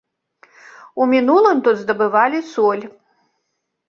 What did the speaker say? У мінулым тут здабывалі соль.